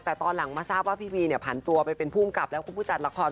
แต่ตอนหลังมาทราบว่าพี่วีเนี่ยผ่านตัวไปเป็นภูมิกับแล้วคุณผู้จัดละคร